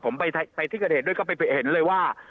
ผมไปที่แถ่งด้วยบอกว่า